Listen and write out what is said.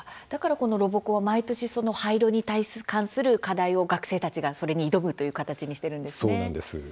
だからこのロボコンは毎年廃炉に関する課題を学生たちがそれに挑むという形にそうなんです。